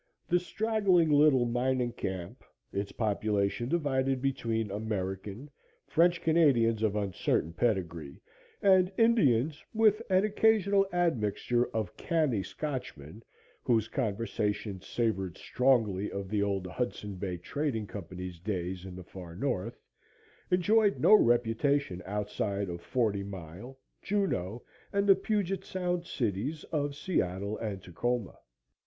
The straggling little mining camp, its population divided between American, French Canadians of uncertain pedigree, and Indians with an occasional admixture of canny Scotchmen, whose conversation savored strongly of the old Hudson Bay Trading Company's days in the far north, enjoyed no reputation outside of Forty Mile, Juneau and the Puget Sound cities of Seattle and Tacoma.